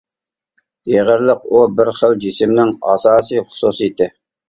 ئېغىرلىق ئۇ بىر خىل جىسىمنىڭ ئاساسىي خۇسۇسىيىتى.